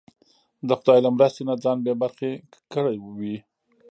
د خدای له مرستې نه ځان بې برخې کړی وي.